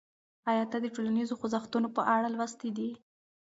آیا تا د ټولنیزو خوځښتونو په اړه لوستي دي؟